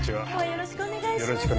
よろしくお願いします。